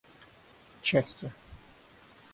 части